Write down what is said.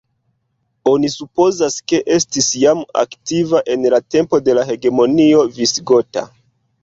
Oni supozas, ke estis jam aktiva en la tempo de la hegemonio visigota.